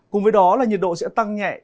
cùng với đó là nhiệt độ sẽ tăng nhẹ